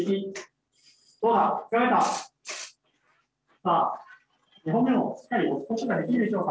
さあ２本目もしっかり置くことができるでしょうか？